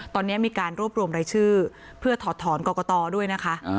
ตอนนี้มีการรวบรวมรายชื่อเพื่อถอดถอนกรกตด้วยนะคะ